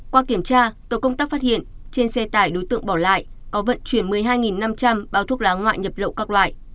qua kiểm tra tổ công tác phát hiện trên xe tải đối tượng bỏ lại có vận chuyển một mươi hai năm trăm linh bao thuốc lá ngoại nhập lậu các loại